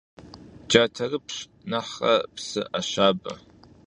Caterıpş nexhre pşı 'Uşabe.